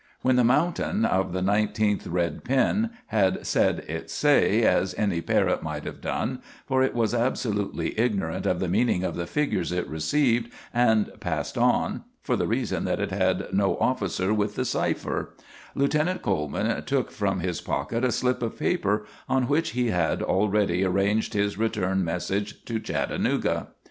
When the mountain of the nineteenth red pin had said its say as any parrot might have done, for it was absolutely ignorant of the meaning of the figures it received and passed on (for the reason that it had no officer with the cipher), Lieutenant Coleman took from his pocket a slip of paper on which he had already arranged his return message to Chattanooga.